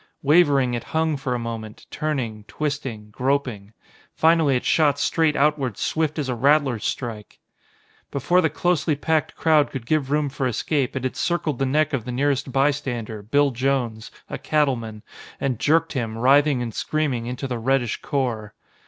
Wavering, it hung for a moment, turning, twisting, groping. Finally it shot straight outward swift as a rattler's strike! Before the closely packed crowd could give room for escape, it had circled the neck of the nearest bystander, Bill Jones, a cattleman, and jerked him, writhing and screaming, into the reddish core.